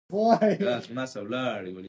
دروازه به د جنت وي راته خلاصه